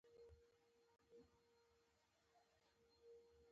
غرمه د ښار د ارامۍ شیبه ده